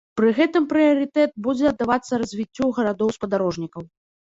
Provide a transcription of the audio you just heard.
Пры гэтым прыярытэт будзе аддавацца развіццю гарадоў-спадарожнікаў.